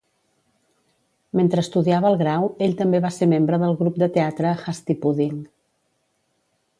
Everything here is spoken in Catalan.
Mentre estudiava el grau, ell també va ser membre del grup de teatre Hasty Pudding.